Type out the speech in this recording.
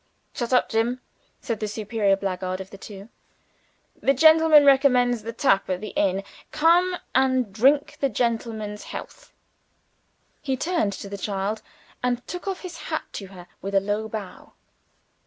"Shut up, Jim!" said the superior blackguard of the two. "The gentleman recommends the tap at the inn. Come and drink the gentleman's health." He turned to the child, and took off his hat to her with a low bow.